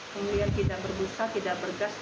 kemudian tidak berbusa tidak berges